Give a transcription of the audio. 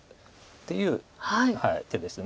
っていう手です。